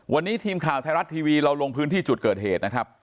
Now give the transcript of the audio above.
วันนี้ทีมข่าวไทยรัฐทีวีเราลงพื้นที่จุดเกิดเหตุนะครับ